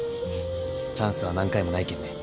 チャンスは何回もないけんね。